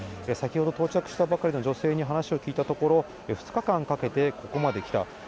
先ほど到着したばかりの女性に話を聞いたところ、２日間かけてここまで来た。